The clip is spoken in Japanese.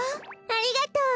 ありがとう！